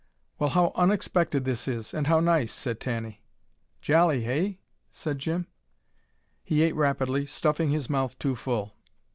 "Well how unexpected this is and how nice," said Tanny. "Jolly eh?" said Jim. He ate rapidly, stuffing his mouth too full.